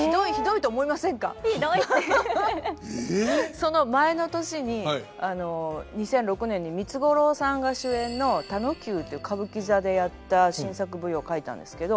その前の年に２００６年に三津五郎さんが主演の「たのきゅう」っていう歌舞伎座でやった新作舞踊書いたんですけど。